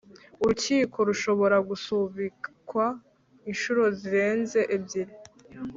Urukiko rushobora gusubikwa inshuro zirenze ebyiri